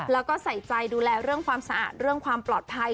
แล้วก็ใส่ใจดูแลเรื่องความสะอาดเรื่องความปลอดภัย